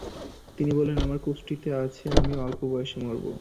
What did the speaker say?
তিনি বললেন, আমার কুষ্ঠীতে আছে আমি অল্প বয়সে মরব।